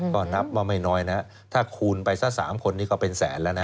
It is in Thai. ก็นับว่าไม่น้อยนะถ้าคูณไปสัก๓คนนี้ก็เป็นแสนแล้วนะ